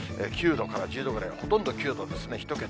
９度から１０度くらい、ほとんど９度ですね、１桁。